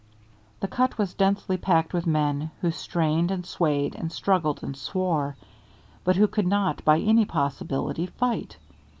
The cut was densely packed with men who strained and swayed and struggled and swore, but who could not by any possibility fight.